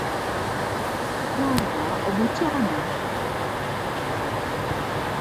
"prawda, o bocianach!"